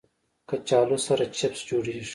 کچالو سره چپس جوړېږي